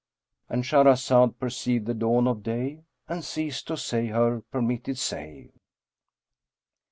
—And Shahrazad perceived the dawn of day and ceased to say her permitted say.